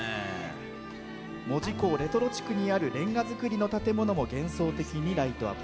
門司港レトロ地区にあるレンガ造りの建物も幻想的にライトアップ。